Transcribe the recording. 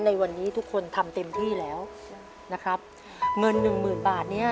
ในวันนี้ทุกคนทำเต็มที่แล้วนะครับเงินหนึ่งหมื่นบาทเนี้ย